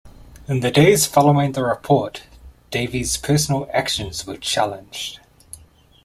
In the days following the report, Davies' personal actions were challenged.